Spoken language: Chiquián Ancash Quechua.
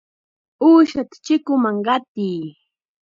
¡Uushata chikunman qatiy!